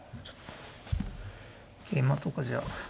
ちょっと桂馬とかじゃ。